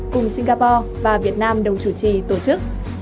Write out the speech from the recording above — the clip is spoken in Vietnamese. cùng singapore và việt nam đồng chủ trì tổ chức